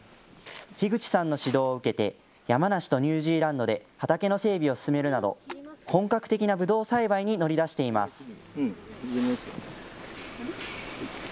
樋口さんの指導を受けて、山梨とニュージーランドで畑の整備を進めるなど、本格的なぶどう栽培に乗り出しています。